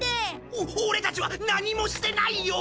オオレたちは何もしてないよ！